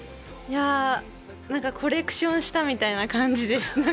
コレクションしたみたいな感じです。